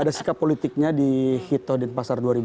ada sikap politiknya di hitohdin pasar dua ribu dua